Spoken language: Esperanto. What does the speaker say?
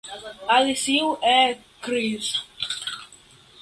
Alicio ekkriis.